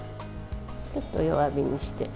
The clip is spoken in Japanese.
ちょっと弱火にして。